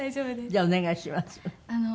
じゃあお願いします。